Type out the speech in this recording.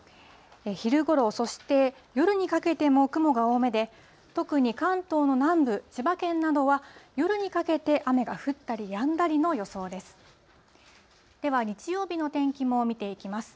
昼ごろ、そして夜にかけても雲が多めで、特に関東の南部、千葉県などは、夜にかけて雨が降ったりやんだりの予想です。